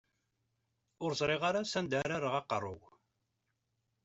Ur ẓriɣ ara s anda ara rreɣ aqerru-w.